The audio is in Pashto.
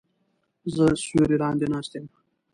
زه سیوری لاندې ناست یم